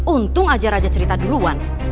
untung aja raja cerita duluan